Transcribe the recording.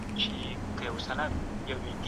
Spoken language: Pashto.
پوهان د ټولني د هوساینې لپاره دعا او کار کوي.